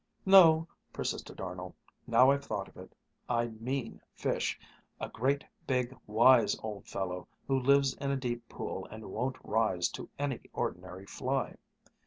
"No," persisted Arnold. "Now I've thought of it, I mean fish, a great big, wise old fellow, who lives in a deep pool and won't rise to any ordinary fly."